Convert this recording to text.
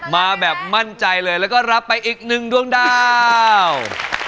มาแบบมั่นใจเลยแล้วก็รับไปอีกหนึ่งดวงดาว